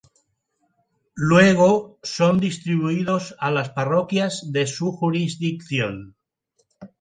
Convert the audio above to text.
Luego, son distribuidos a las parroquias de su jurisdicción.